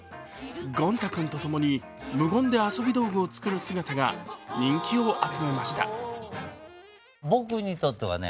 ゴン太くんとともに無言で遊び道具を作る姿が人気を集めました。